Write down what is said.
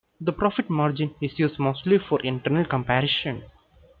The profit margin is used mostly for internal comparison.